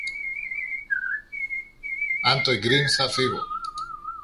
αν το εγκρίνεις, θα φύγω.